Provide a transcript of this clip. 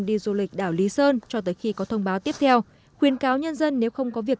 đi du lịch đảo lý sơn cho tới khi có thông báo tiếp theo khuyên cáo nhân dân nếu không có việc